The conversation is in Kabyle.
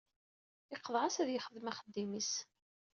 Iqḍeɛ-as ad yexdem axeddim-is.